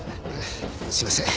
すいません。